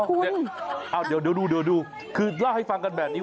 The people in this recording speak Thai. เดี๋ยวดูคือเล่าให้ฟังกันแบบนี้